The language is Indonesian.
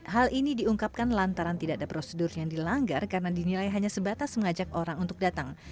hal ini diungkapkan lantaran tidak ada prosedur yang dilanggar karena dinilai hanya sebatas mengajak orang untuk datang